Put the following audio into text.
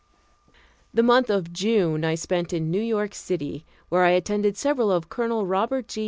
The month of June I spent in New York city, where I attended several of Colonel Robert G.